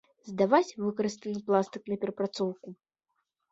Здаваць выкарыстаны пластык на перапрацоўку.